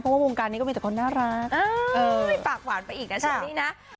เพราะว่าวงการนี้ก็มีแต่คนน่ารักปากหวานไปอีกนะเชอรี่นะ